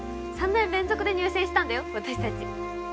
３年連続で入選したんだよ私たち。